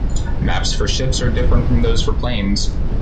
Maps for ships are different than those for planes.